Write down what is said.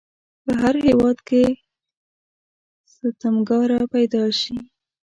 په هر هیواد کې ستمکاره پیداشي.